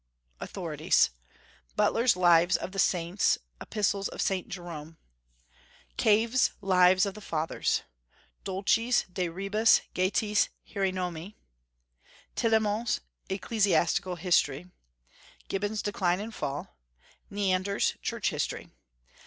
AUTHORITIES. Butler's Lives of the Saints; Epistles of Saint Jerome; Cave's Lives of the Fathers; Dolci's De Rebus Gestis Hieronymi; Tillemont's Ecclesiastical History; Gibbon's Decline and Fall; Neander's Church History.